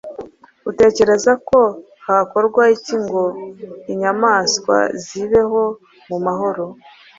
utekereza ko hakorwa iki ngo inyamaswa zibeho mu mahoro